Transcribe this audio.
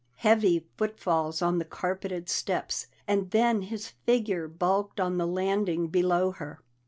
Heavy footfalls on the carpeted steps, and then his figure bulked on the landing below her.